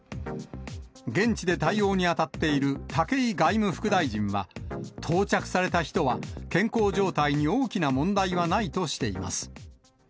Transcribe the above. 現地で対応に当たっている武井外務副大臣は、到着された人は、健康状態に大きな問題はないとしています。